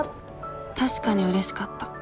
確かにうれしかった。